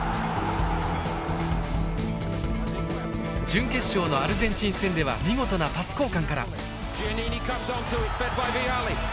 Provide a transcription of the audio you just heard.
準決勝のアルゼンチン戦では見事なパス交換から。